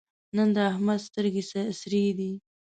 نن د احمد سترګې سرې دي.